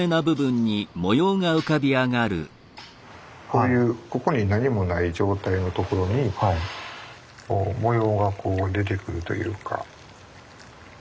こういうここに何もない状態の所に模様がこう出てくるというか。